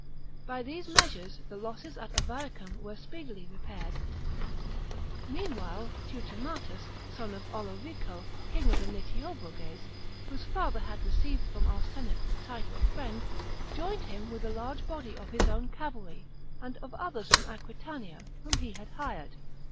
By these measures the losses at Avaricum were speedily repaired. Meanwhile Teutomatus, son of OUo vico, king of the Nitiobroges, whose father had received from our Senate the title of Friend, joined him with a large body of his own cavalry and of others from Aquitania whom he had hired.